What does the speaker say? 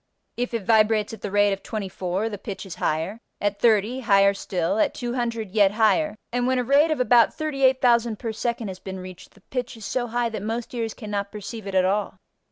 If it vibrates at the rate of 24 the pitch is higher, at 30 higher still, at 200 yet higher, and when a rate of about 38,000 per second has been reached the pitch is so high that most ears cannot perceive it at all.